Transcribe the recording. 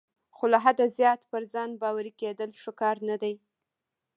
خو له حده زیات پر ځان باوري کیدل ښه کار نه دی.